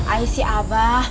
aih si abah